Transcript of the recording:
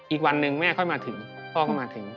อีกวันหนึ่งแม่ค่อยมาถึงพ่อก็มาถึง